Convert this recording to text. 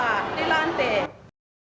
maka kita jual itu di bawah di lantai